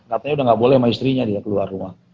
katanya udah nggak boleh sama istrinya dia keluar rumah